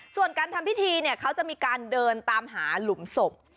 ส่วนการทำพิธีเนี่ยเขาจะมีการเดินตามหาหลุมศพ